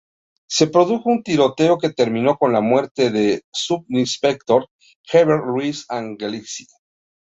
Se produjo un tiroteo que terminó con la muerte del subinspector Heber Luis Angelici.